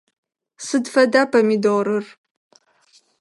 Сыд фэда помидорыр?